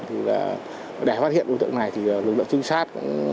thì là để phát hiện đối tượng này thì lực lượng trinh sát